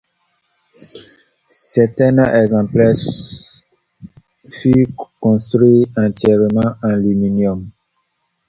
Certains exemplaires furent construits entièrement en aluminium.